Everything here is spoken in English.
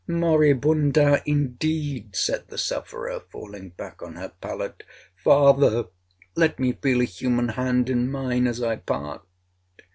'Moribunda indeed!' said the sufferer, falling back on her pallet, 'Father, let me feel a human hand in mine as I part!'